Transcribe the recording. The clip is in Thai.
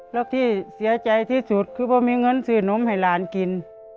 แล้วที่เสียใจที่สุดคือพอมีเงินซื้อนมให้หลานกิน